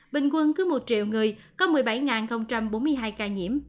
bình quân cứ một triệu người có một mươi bảy bốn mươi hai ca nhiễm